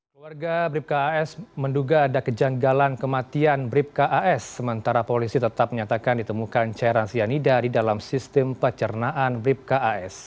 keluarga bipkas menduga ada kejanggalan kematian bipkas sementara polisi tetap menyatakan ditemukan cairan sianida di dalam sistem pecernaan bipkas